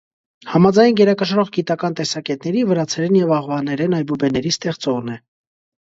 Համաձայն գերակշռող գիտական տեսակետների՝ վրացերեն և աղվաներեն այբուբենների ստեղծողն է։